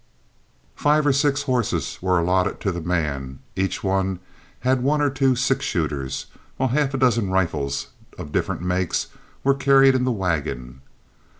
Five and six horses were allotted to the man, each one had one or two six shooters, while half a dozen rifles of different makes were carried in the wagon.